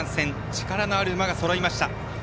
力のある馬がそろいました。